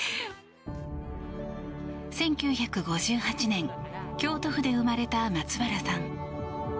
１９５８年京都府で生まれた松原さん。